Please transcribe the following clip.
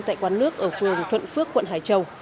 tại quán nước ở phường thuận phước quận hải châu